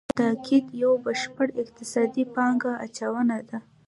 د نجونو په زده کړه تاکید یو بشپړ اقتصادي پانګه اچونه ده